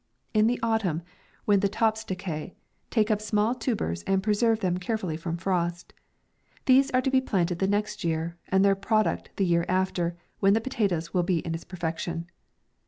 In the autumn, when the tops decay, take up the small tubers, and preserve them carefully from frost. These are to be planted the next year, and their product the year after, when the potatoe will be in its perfection.